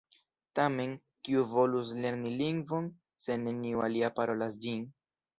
Tamen, kiu volus lerni lingvon, se neniu alia parolas ĝin?